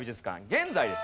現在ですね